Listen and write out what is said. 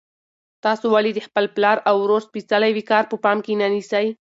تاسو ولې د خپل پلار او ورور سپېڅلی وقار په پام کې نه نیسئ؟